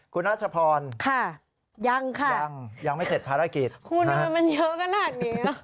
คุณราชพรยังไม่เสร็จภารกิจคุณทำไมมันเยอะขนาดนี้